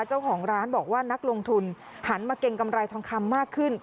เจ้าของร้านบอกว่านักลงทุนหันมาเก่งกำไรทองคำมากขึ้น